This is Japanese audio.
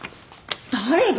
誰が！